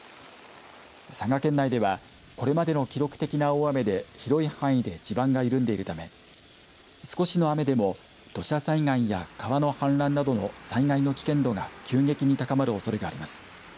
佐賀県内ではこれまでの記録的な大雨で広い範囲で地盤が緩んでいるため少しの雨でも土砂災害や川の氾濫などの災害の危険度が急激に高まるおそれがあります。